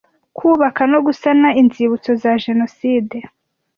Kubaka no Gusana Inzibutso za Jenoside